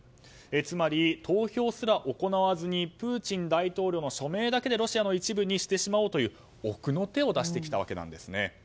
つまり、投票すら行わずにプーチン大統領の署名だけでロシアの一部にしてしまおうという奥の手を出してきたわけです。